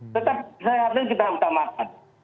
tetap sehatnya kita makan